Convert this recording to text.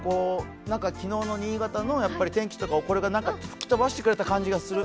昨日の新潟の天気とか、これがすごく吹き飛ばしてくれた感じがする。